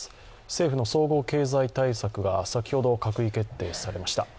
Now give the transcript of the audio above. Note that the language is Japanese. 政府の総合経済対策が先ほど閣議決定されました。